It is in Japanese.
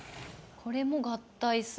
これも合体する。